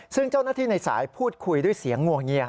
ซึ่งเจ้าหน้าที่ในสายพูดคุยด้วยเสียงงวงเงีย